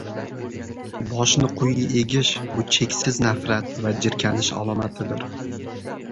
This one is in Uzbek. Boshni quyi egish – bu cheksiz nafrat va jirkanish alomatidir.